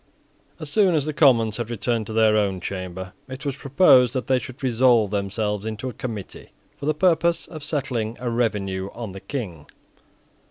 As soon as the Commons had returned to their own chamber, it was proposed that they should resolve themselves into a Committee, for the purpose of settling a revenue on the King.